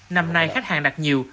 năm nay khách hàng đặt nhiều